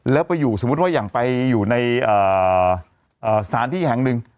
แล้วไปอยู่สมมุติว่าอย่างไปอยู่ในสถานที่แห่งหนึ่ง